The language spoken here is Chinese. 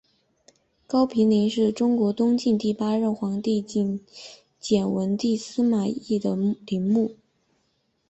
高平陵是中国东晋第八任皇帝晋简文帝司马昱的陵墓。